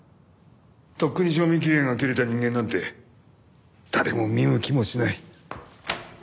とっくに賞味期限が切れた人間なんて誰も見向きもしない。